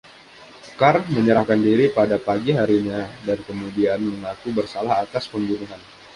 Carr menyerahkan diri pada pagi harinya dan kemudian mengaku bersalah atas pembunuhan.